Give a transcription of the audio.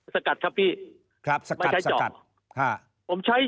สกัดครับพี่ใช่